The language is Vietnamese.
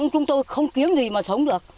chúng tôi không kiếm gì mà sống được